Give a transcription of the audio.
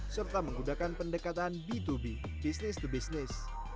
serta menggunakan pendekatan b dua b business to business